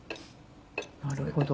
なるほど。